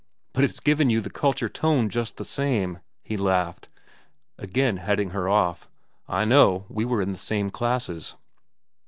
"But it's given you the culture tone just the same," he laughed, again heading her off. "I know. We were in the same classes."